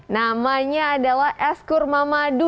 namanya adalah es kurma madu